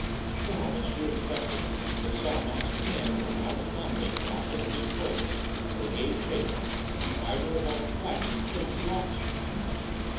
"Well, M. Inspector, they saw a masked man come out of the convent, wrapped in a big cloak. They gave chase he fired a revolver twice and killed two officers."